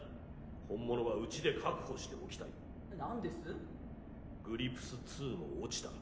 本物はうちで確保しておきたい（マルグリプス２も落ちた。